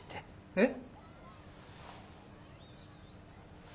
えっ？